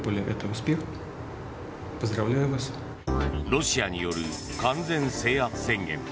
ロシアによる完全制圧宣言。